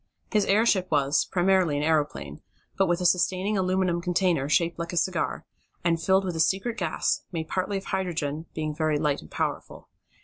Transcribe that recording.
His airship was, primarily an aeroplane, but with a sustaining aluminum container, shaped like a cigar, and filled with a secret gas, made partly of hydrogen, being very light and powerful.